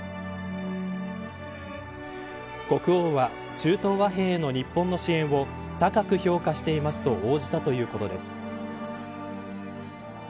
国王は中東和平への日本の支援を高く評価していますと応じたということです